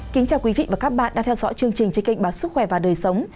kính chào quý vị và các bạn đang theo dõi chương trình trên kênh báo sức khỏe và đời sống